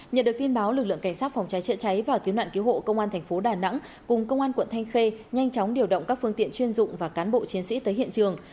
nhận được tin báo lực lượng cảnh sát phòng cháy chữa cháy và cứu nạn cứu hộ công an thành phố đà nẵng cùng công an quận thanh khê nhanh chóng điều động các phương tiện chuyên dụng và cán bộ chiến sĩ tới hiện trường